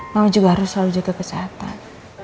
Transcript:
mau juga harus selalu jaga kesehatan